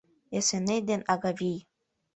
Эсеней ден Агавий.